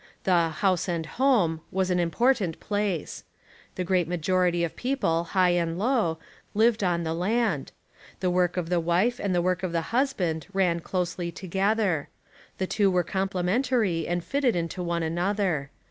The "house and home" was an important place. The great majority of people, high and low, lived on the land. The work of the wife and the work of the husband ran closely together. The two were complementary and fitted into one an other.